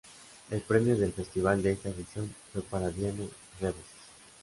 El premio del festival de esta edición fue para Dianne Reeves.